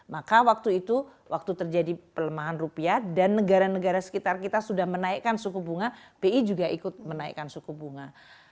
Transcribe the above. maka waktu itu waktu terjadi pelemahan rupiah dan negara negara sekitar kita sudah menaikkan suku bunga bi juga ikut menaikkan suku bunga